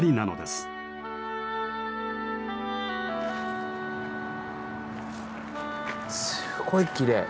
すごいきれい。